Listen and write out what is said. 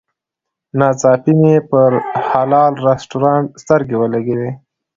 ناڅاپي مې پر حلال رسټورانټ سترګې ولګېدې.